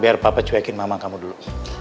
biar papa cuekin mama kamu dulu